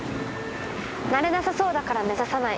なれなさそうだから目指さない。